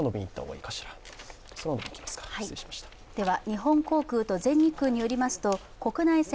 日本航空と全日空によりますと国内線、